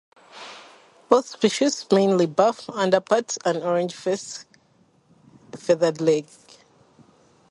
Both species have mainly buff upperparts, an orange face and feathered legs and toes.